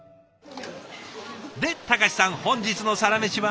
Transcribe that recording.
で貴さん本日のサラメシは？